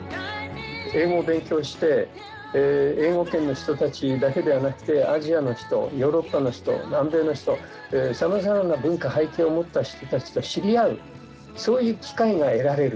英語を勉強して英語圏の人たちだけではなくてアジアの人ヨーロッパの人南米の人さまざまな文化背景を持った人たちと知り合うそういう機会が得られる。